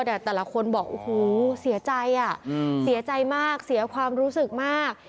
แต่แต่ละคนบอกโอ้โหเสียใจอ่ะเสียใจมากเสียความรู้สึกมาก